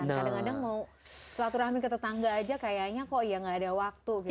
kadang kadang mau selaturahmi ke tetangga aja kayaknya kok ya gak ada waktu